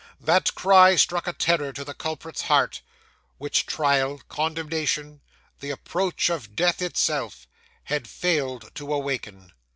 That cry struck a terror to the culprit's heart, which trial, condemnation the approach of death itself, had failed to awaken.